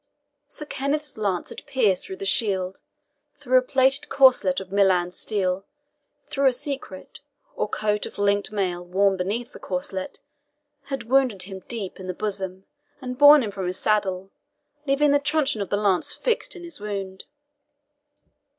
Sir Kenneth's lance had pierced through the shield, through a plated corselet of Milan steel, through a SECRET, or coat of linked mail, worn beneath the corselet, had wounded him deep in the bosom, and borne him from his saddle, leaving the truncheon of the lance fixed in his wound.